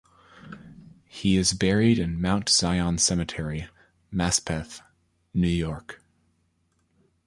He is buried in Mount Zion Cemetery, Maspeth, New York.